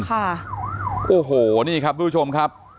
ข้าวโอ้โหนี่ครับผู้ชมครับ